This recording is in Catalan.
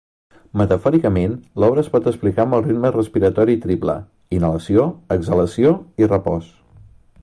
Metafòricament, l'obra es pot explicar amb el ritme respiratori triple: inhalació, exhalació i repòs.